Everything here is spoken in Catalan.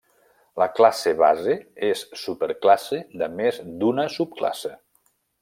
La classe base és superclasse de més d'una subclasse.